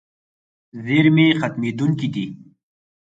زیرمې ختمېدونکې دي.